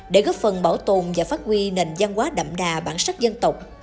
để góp phần bảo tồn và phát huy nền gian hóa đậm đà bản sắc dân tộc